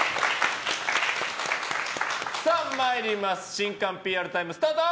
新歓ＰＲタイム、スタート！